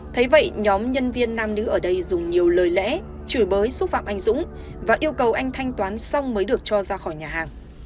thấy vậy nhóm nhân viên nam nữ ở đây dùng nhiều lời lẽ chửi bới xúc phạm anh dũng và yêu cầu anh thanh toán xong mới được cho ra khỏi nhà hàng